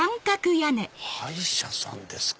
歯医者さんですか！